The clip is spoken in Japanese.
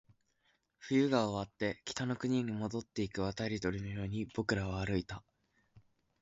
冬が終わって、北の国に戻っていく渡り鳥のように僕らは歩いた